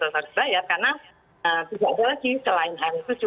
artinya diminta ya karena tidak ada lagi selain h satu